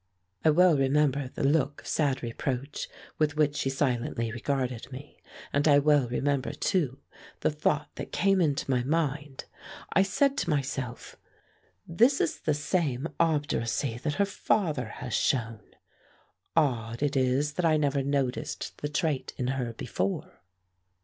I well remember the look of sad reproach with which she silently regarded me, and I well remember, too, the thought that came into my mind. I said to myself: "This is the same obduracy that her father has shown. Odd it is that I never noticed the trait in her before."